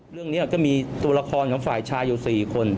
เรื่องนี้ก็มีตัวละครของฝ่ายชายอยู่๔คน